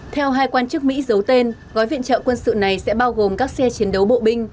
theo hai quan chức mỹ giấu tên gói viện trợ quân sự này sẽ bao gồm các xe chiến đấu bộ binh